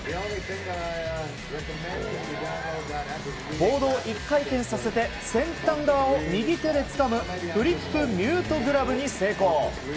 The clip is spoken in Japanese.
ボードを１回転させて先端側を右手でつかむフリップミュートグラブに成功。